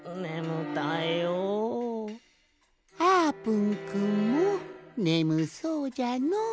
あーぷんくんもねむそうじゃのう。